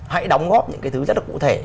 hãy đóng góp những thứ rất là cụ thể